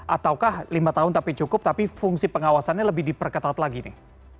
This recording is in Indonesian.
ataukah lima tahun tapi cukup tapi fungsi pengawasannya lebih diperketat lagi nih